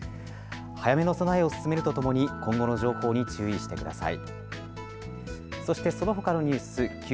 早めの備えを進めるとともに今後の情報に注意してください。